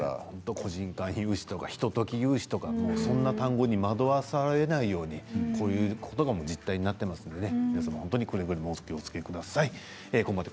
個人間融資とかひととき融資とかそんな単語に惑わされないようにこういうことが実態になっていますので皆さんもくれぐれもお気をつけください。